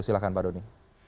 silahkan pak doni